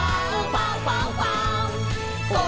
ファンファンファン！」